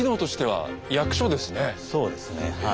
そうですねはい。